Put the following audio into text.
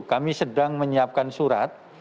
kami sedang menyiapkan surat